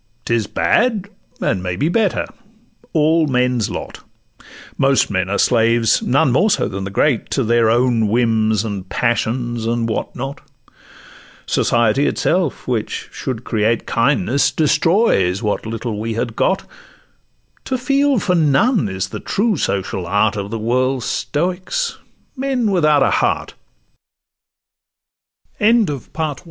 'Tis bad, and may be better—all men's lot: Most men are slaves, none more so than the great, To their own whims and passions, and what not; Society itself, which should create Kindness, destroys what little we had got: To feel for none is the true social art Of the world's stoi